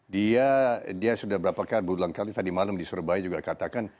dia sudah berapa kali berulang kali tadi malam di surabaya juga katakan